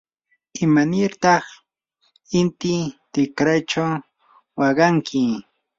¿imanirtaq inti tikraychaw waqanki?